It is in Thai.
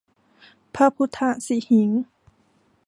พระพุทธสิหิงค์